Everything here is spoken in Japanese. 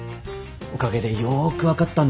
おかげでよく分かったんで。